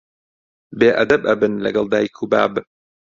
بێ ئەدەب ئەبن لەگەڵ دایک و باب